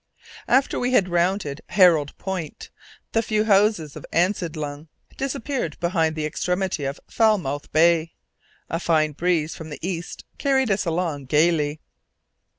After we had rounded Herald Point, the few houses of Ansiedlung disappeared behind the extremity of Falmouth Bay. A fine breeze from the east carried us along gaily.